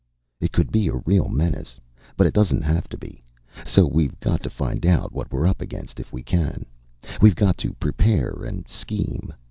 "It could be a real menace. But it doesn't have to be. So we've got to find out what we're up against, if we can. We've got to prepare and scheme.